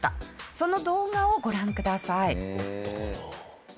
その動画をご覧ください。